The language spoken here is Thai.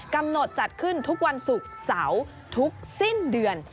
กำหนดจัดขึ้นทุกวันศุกร์เสาร์ทุกสิ้นเดือน